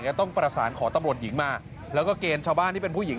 ก็ต้องประสานขอตำรวจหญิงมาแล้วก็เกณฑ์ชาวบ้านที่เป็นผู้หญิง